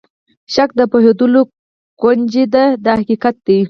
شک د پوهېدلو کونجۍ ده دا حقیقت دی.